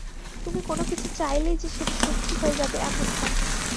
তুমি কোনোকিছু চাইলেই যে সেটা সত্যি হয়ে যাবে, এমন না।